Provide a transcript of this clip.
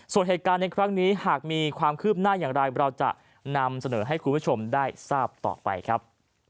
ส่วนเหตุการณ์ในครั้งนี้หากมีความคืบหน้าอย่างไรเราจะนำเสนอให้คุณผู้ชมได้ทราบต่อไปครับ